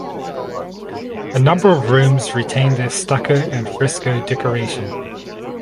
A number of rooms retain their stucco and fresco decoration.